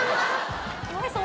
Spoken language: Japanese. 岩井さん